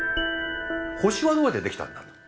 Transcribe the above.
星はどうやってできたんだと。